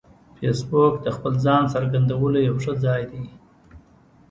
فېسبوک د خپل ځان څرګندولو یو ښه ځای دی